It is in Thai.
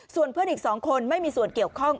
ส่วนเพื่อนอีก๒คนไม่มีส่วนเกี่ยวข้อง